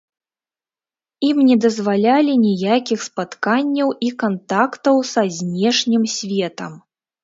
Ім не дазвалялі ніякіх спатканняў і кантактаў са знешнім светам.